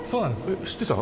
知ってた？